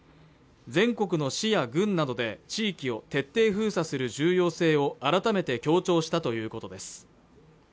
全国の市や郡などで地域を徹底封鎖する重要性を改めて強調したということです